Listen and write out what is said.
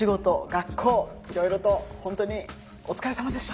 学校いろいろと本当にお疲れさまでした。